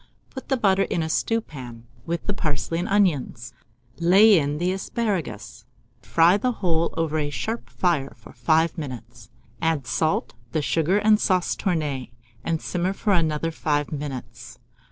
Put the butter in a stewpan, with the parsley and onions; lay in the asparagus, and fry the whole over a sharp fire for 5 minutes. Add salt, the sugar and sauce tournée, and simmer for another 5 minutes.